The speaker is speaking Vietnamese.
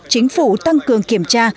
chính phủ tăng cường kiểm tra